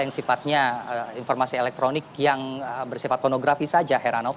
yang sifatnya informasi elektronik yang bersifat pornografi saja heran auto